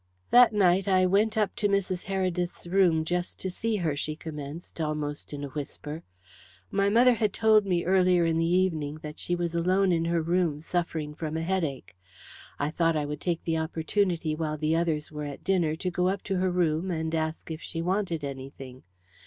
"That night I went up to Mrs. Heredith's room just to see her," she commenced, almost in a whisper. "My mother had told me earlier in the evening that she was alone in her room suffering from a headache. I thought I would take the opportunity while the others were at dinner to go up to her room and ask her if she wanted anything.